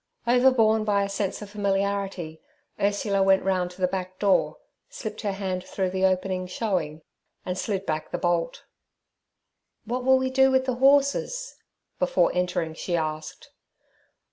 Overborne by a sense of familiarity, Ursula went round to the back door, slipped her hand through the opening showing, and slid back the bolt. 'What will we do with the horses?' before entering she asked.